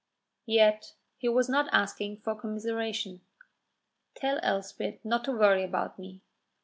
Yet he was not asking for commiseration. "Tell Elspeth not to worry about me.